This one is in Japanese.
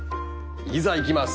いざいきます。